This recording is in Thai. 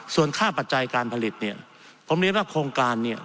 ส่วนค่าปัจจัยการผลิตเนี่ยผมเรียนว่าโครงการเนี่ย